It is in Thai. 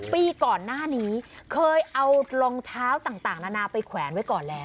ปีก่อนหน้านี้เคยเอารองเท้าต่างนานาไปแขวนไว้ก่อนแล้ว